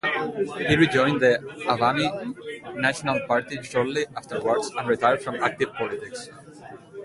He rejoined the Awami National Party shortly afterwards and retired from active politics.